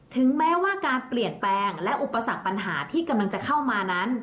ถึงแม้ว่าการเปลี่ยนแปลงและอุปสรรคปัญหาที่กำลังจะเข้ามานั้น